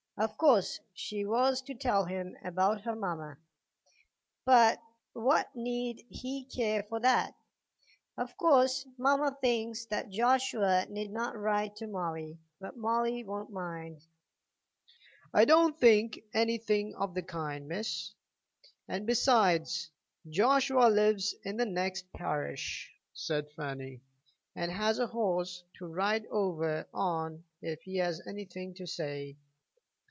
"Of course she has to tell him about her mamma, but what need he care for that? Of course mamma thinks that Joshua need not write to Molly, but Molly won't mind." "I don't think anything of the kind, miss." "And besides, Joshua lives in the next parish," said Fanny, "and has a horse to ride over on if he has anything to say."